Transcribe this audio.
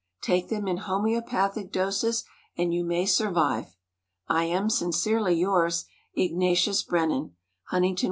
Take them in homeopathic doses and you may survive. I am sincerely yours, Ignatius Brennan. Huntington, W.